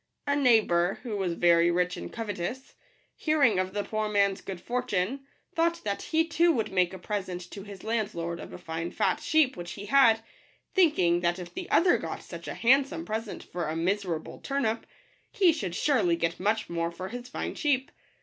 A neighbour, who was very rich and covetous, hearing of the poor man's good fortune, thought that he too would make a present to his landlord of a fine fat sheep which he had, thinking that if the other got such a handsome present for a miserable turnip, he should surely get much more for his fine sheep.